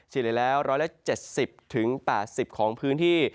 ที่เรียกแล้ว๑๗๐๘๐ของพื้นที่